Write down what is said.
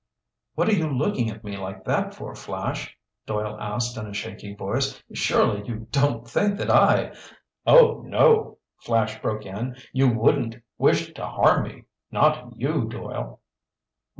"What are you looking at me like that for, Flash?" Doyle asked in a shaky voice. "Surely you don't think that I—" "Oh, no!" Flash broke in. "You wouldn't wish to harm me! Not you, Doyle!"